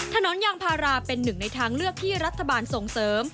ถนนยางพาราเป็นหนึ่งในทางเลือกที่รัฐบาลส่งเสริม